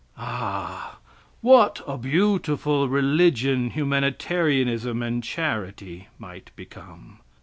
Ah, what a beautiful religion humanitarianism and charity* might become!